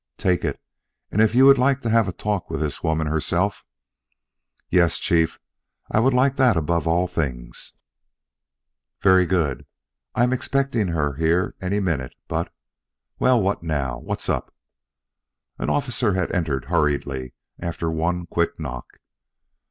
"Take it, and if you would like to have a talk with the woman herself " "Yes, Chief; I would like that above all things." "Very good. I'm expecting her here any minute, but Well, what now? What's up?" An officer had entered hurriedly after one quick knock.